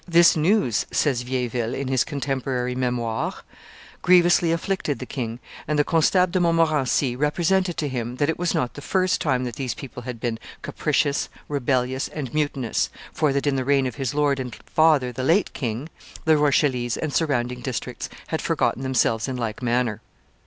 "This news," says Vieilleville, in his contemporary Memoires, "grievously afflicted the king; and the Constable de Montmorency represented to him that it was not the first time that these people had been capricious, rebellious, and mutinous; for that in the reign of his lord and father, the late king, the Rochellese and surrounding districts had forgotten themselves in like manner.